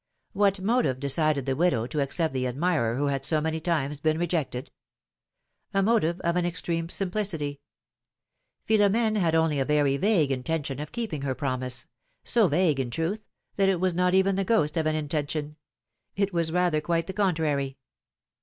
What motive decided the widow to accept the admirer who had so many times been rejected ? A motive of an extreme simplicity: Philomene had only a very vague intention of keeping her promise, so vague in truth, that it was not even the ghost of an intention; it was rather quite the contrary.